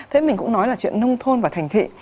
thế mình cũng nói là chuyện nông thôn và thành thị